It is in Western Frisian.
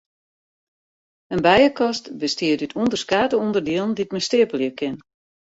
In bijekast bestiet út ûnderskate ûnderdielen dy't men steapelje kin.